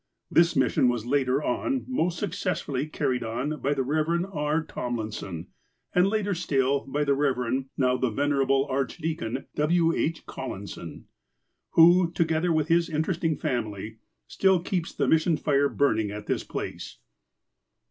This mission was, later on, most successfully car ried on by the Rev. R. Tomlinson, and later still by the Rev. (now the Venerable Archdeacon) W. H. Collison, who, together with his interesting family, still keeps the missionary fire burning at this place.